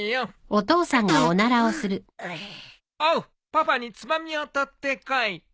パパにつまみを取ってこい。